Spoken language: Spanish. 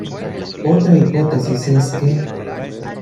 Otra hipótesis es que